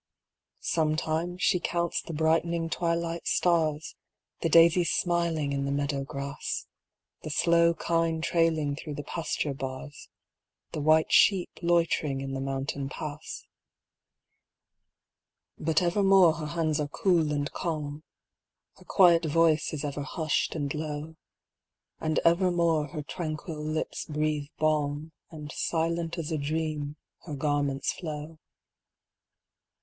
Sometimes she counts the brightening twilight stars, The daisies smiling in the meadow grass, The slow kine trailing through the pasture bars, The white sheep loitering in the mountain pass. But evermore her hands are cool and calm — Her quiet voice is ever hushed and low ; MY LADY SLEEP 439 And evermore her tranquil lips breathe balm, And silent as a dream her garments flow.